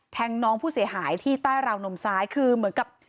น้องผู้เสียหายที่ใต้ราวนมซ้ายคือเหมือนกับ